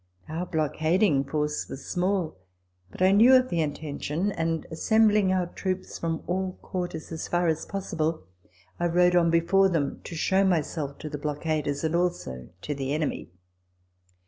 Our blockading force was small, but I knew of the intention ; and, assembling our troops from all quarters as fast as possible, I rode on before them to show myself to the block aders, and also to the enemy.